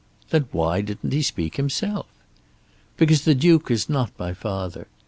"Then why didn't he speak himself?" "Because the Duke is not my father.